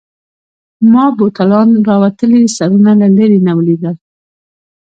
ما بوتلانو راوتلي سرونه له لیري نه ولیدل.